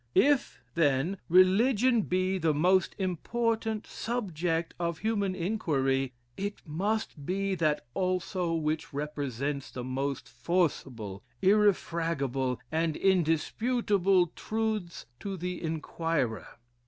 If, then, religion be the most important subject of human inquiry, it must be that also which presents the most forcible, irrefragable, and indisputable truths to the inquirer.